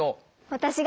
私が。